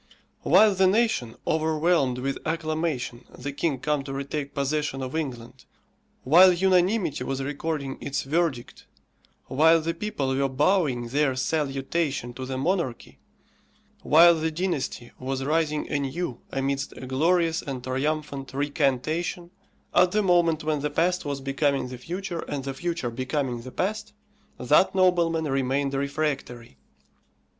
While the nation overwhelmed with acclamation the king come to retake possession of England, while unanimity was recording its verdict, while the people were bowing their salutation to the monarchy, while the dynasty was rising anew amidst a glorious and triumphant recantation, at the moment when the past was becoming the future, and the future becoming the past, that nobleman remained refractory.